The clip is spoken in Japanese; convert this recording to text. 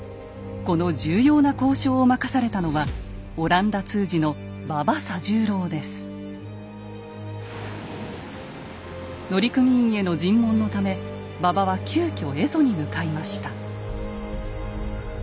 この重要な交渉を任されたのは乗組員への尋問のため馬場は急遽蝦夷に向かいました。